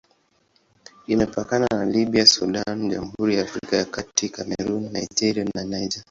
Imepakana na Libya, Sudan, Jamhuri ya Afrika ya Kati, Kamerun, Nigeria na Niger.